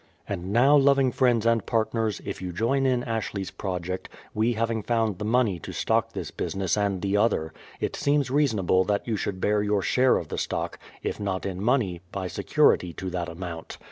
And now loving friends and partners, if you join in Ashley's project, we having found the money to stock this business and the other, it seems reasonable that j^ou should bear your share of the stock, if not in money, by security to that amount.